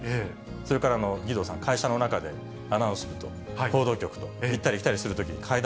それから義堂さん、会社の中でアナウンス部と報道局と行ったり来たりするときに階段